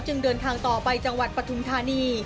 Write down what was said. เดินทางต่อไปจังหวัดปฐุมธานี